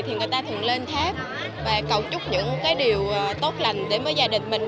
thì người ta thường lên tháp và cầu chúc những điều tốt lành để gia đình mình